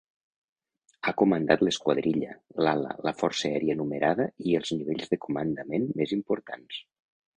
Ha comandat l'esquadrilla, l'ala, la força aèria numerada i els nivells de comandament més importants.